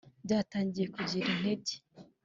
byatangiye kugira intege